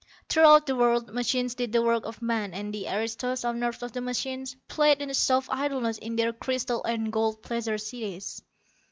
Throughout the world, machines did the work of man, and the aristos, owners of the machines, played in soft idleness in their crystal and gold pleasure cities.